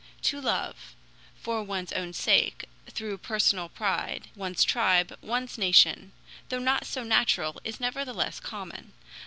To love for one's own sake, through personal pride one's tribe, one's nation, though not so natural, is nevertheless common.